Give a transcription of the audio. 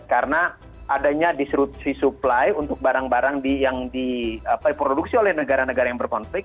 karena adanya disrupsi supply untuk barang barang yang diproduksi oleh negara negara yang berkonflik